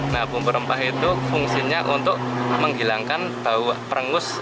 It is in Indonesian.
nah bumbu rempah itu fungsinya untuk menghilangkan bau perengus